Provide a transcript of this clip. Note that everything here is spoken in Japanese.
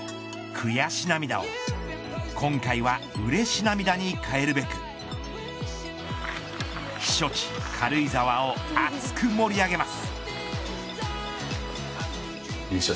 悔し涙を今回はうれし涙に変えるべく避暑地軽井沢を熱く盛り上げます。